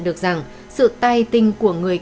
được rằng sự tai tinh của người